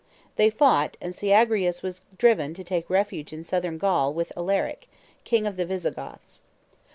They fought, and Syagrius was driven to take refuge in Southern Gaul with Alaric, king of the Visigoths.